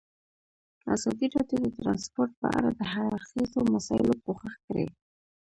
ازادي راډیو د ترانسپورټ په اړه د هر اړخیزو مسایلو پوښښ کړی.